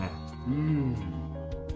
うん。